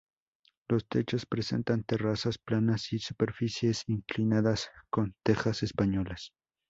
Los techos presentan terrazas planas y superficies inclinadas con tejas españolas.